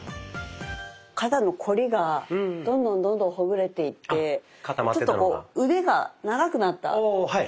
肩のこりがどんどんどんどんほぐれていってちょっと腕が長くなった気がしますね。